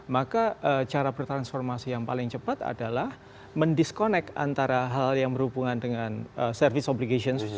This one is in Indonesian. maka cara bertransformasi yang paling cepat adalah mendiskonek antara hal yang berhubungan dengan service obligation